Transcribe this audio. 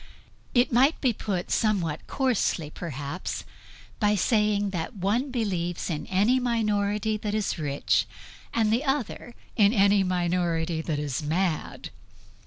It might be put, somewhat coarsely perhaps, by saying that one believes in any minority that is rich and the other in any minority that is mad.